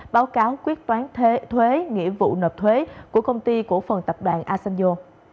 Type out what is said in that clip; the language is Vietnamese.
báo cáo quyết toán thuế nghĩa vụ nộp thuế của công ty cổ phần tập đoàn asanjo